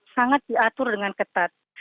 sangat diatur dengan ketat